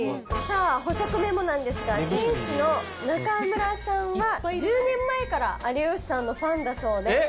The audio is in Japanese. さぁ補足メモなんですが店主の中村さんは１０年前から有吉さんのファンだそうで。